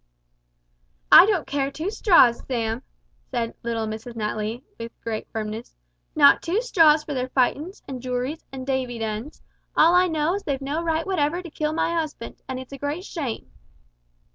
"I don't care two straws, Sam," said little Mrs Natly with great firmness, "not two straws for their fightin's, an' joories, and davydens all I know is that they've no right whatever to kill my 'usband, and it's a great shame!"